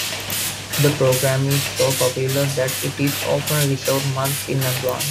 The program is so popular that it is often reserved months in advance.